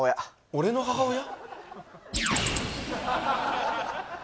俺の母親？